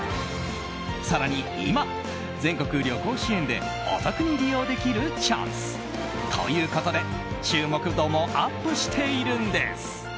更に今、全国旅行支援でお得に利用できるチャンスということで注目度もアップしているんです。